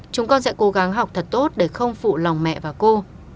chúng con sẽ cố gắng học thật tốt để không phụ lòng mẹ và cô